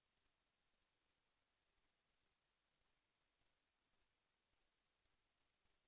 แสวได้ไงของเราก็เชียนนักอยู่ค่ะเป็นผู้ร่วมงานที่ดีมาก